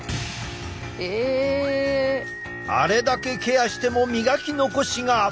あれだけケアしても磨き残しが！